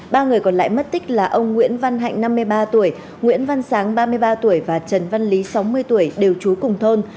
ba người còn lại mất tích là ông nguyễn văn hạnh năm mươi ba tuổi nguyễn văn sáng ba mươi ba tuổi và trần văn lý sáu mươi tuổi đều trú cùng thôn